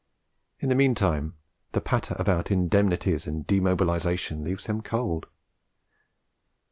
In the meantime the patter about Indemnities and Demobilisation leaves him cold.